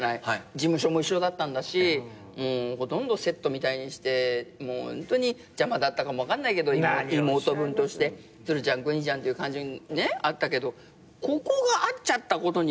事務所も一緒だったんだしもうほとんどセットみたいにして邪魔だったかもわかんないけど妹分として鶴ちゃん邦ちゃんっていう感じにあったけどここが会っちゃったことによって。